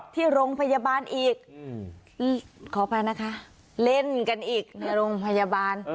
ที่โรงพยาบาลอีกขออภัยนะคะเล่นกันอีกในโรงพยาบาล